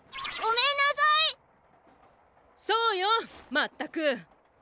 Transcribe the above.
そうよまったく。